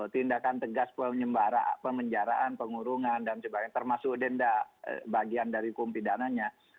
tindakan tegas pemenjaraan pengurungan dan sebagainya termasuk denda bagian dari hukum pidananya